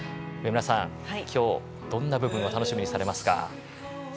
上村さん、今日どんな部分を楽しみにされますか。